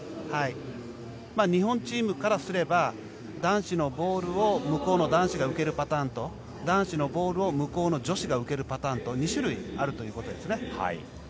日本のチームからすれば男子のボールを向こうの男子が受けるパターンと男子のボールを向こうの女子が受けるパターンと２種類あるということですね。